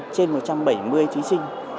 trên một trăm bảy mươi thí sinh